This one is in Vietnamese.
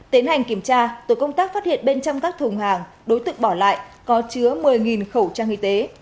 tiến hành kiểm tra tổ công tác phát hiện bên trong các thùng hàng đối tượng bỏ lại có chứa một mươi khẩu trang y tế